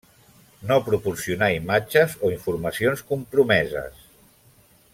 No proporcionar imatges o informacions compromeses.